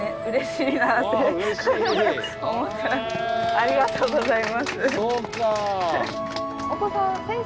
ありがとうございます。